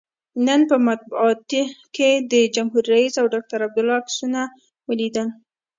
نن مې په مطبوعاتو کې د جمهور رئیس او ډاکتر عبدالله عکسونه ولیدل.